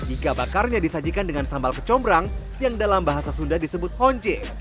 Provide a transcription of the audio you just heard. iga bakarnya disajikan dengan sambal kecombrang yang dalam bahasa sunda disebut honje